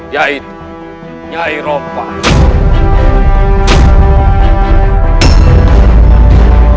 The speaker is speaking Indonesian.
yaitu nyai rompak